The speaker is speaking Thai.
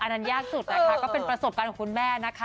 อันนั้นยากสุดนะคะก็เป็นประสบการณ์ของคุณแม่นะคะ